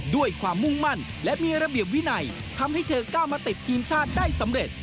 ด้วยความมุ่งมั่นและมีระเบียบวินัยทำให้เธอก้าวมาติดทีมชาติได้สำเร็จ